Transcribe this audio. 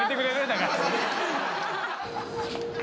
だから。